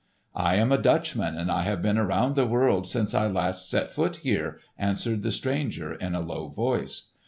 "I am a Dutchman and I have been around the world since I last set foot here," answered the stranger in a low voice.